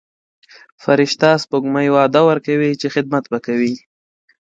فرشته سپوږمۍ وعده ورکوي چې خدمت به کوي.